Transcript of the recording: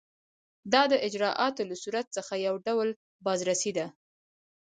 دا د اجرااتو له صورت څخه یو ډول بازرسي ده.